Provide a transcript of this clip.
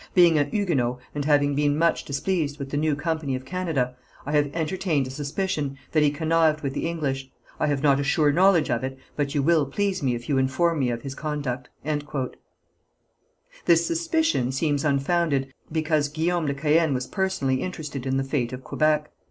Being a Huguenot, and having been much displeased with the new company of Canada, I have entertained a suspicion that he connived with the English. I have not a sure knowledge of it, but you will please me if you inform me of his conduct." This suspicion seems unfounded, because Guillaume de Caën was personally interested in the fate of Quebec.